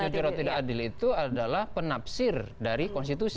jujur atau tidak adil itu adalah penafsir dari konstitusi